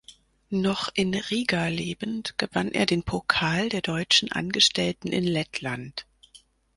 Noch in Riga lebend gewann er den Pokal der deutschen Angestellten in Lettland.